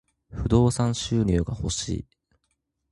不動産収入が欲しい。